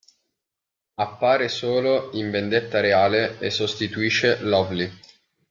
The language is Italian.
Appare solo in Vendetta Reale e sostituisce Lovely.